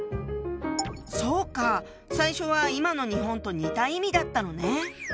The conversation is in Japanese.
そうか最初は今の日本と似た意味だったのね。